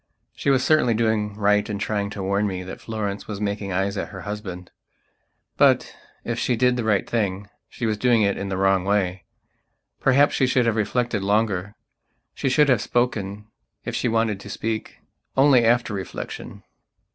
She was certainly doing right in trying to warn me that Florence was making eyes at her husband. But, if she did the right thing, she was doing it in the wrong way. Perhaps she should have reflected longer; she should have spoken, if she wanted to speak, only after reflection.